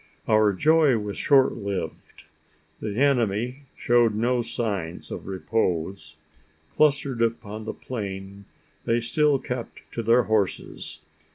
Our joy was short lived: the enemy showed no signs of repose. Clustered upon the plain, they still kept to their horses.